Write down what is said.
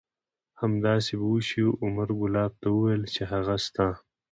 همداسې به وشي. عمر کلاب ته وویل چې هغه ستا